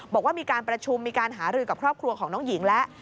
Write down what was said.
บอกว่ามีการประชุมมีการหารือกับครอบครัวของน้องหญิงแล้ว